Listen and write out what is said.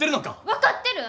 分かってる！